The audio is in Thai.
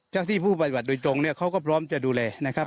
จากที่ผู้ปฏิบัติโดยตรงเนี่ยเขาก็พร้อมจะดูแลนะครับ